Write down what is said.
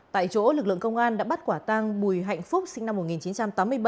tại chỗ lực lượng công an đã bắt quả tang bùi hạnh phúc sinh năm một nghìn chín trăm tám mươi bảy